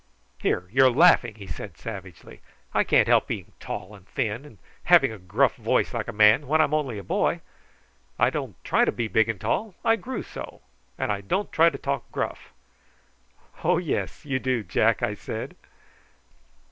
"Here, you're laughing!" he said savagely. "I can't help being tall and thin, and having a gruff voice like a man, when I'm only a boy. I don't try to be big and tall! I grew so. And I don't try to talk gruff." "Oh yes! you do, Jack," I said.